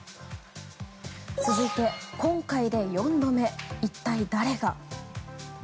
続いて、今回で４度目一体、誰が。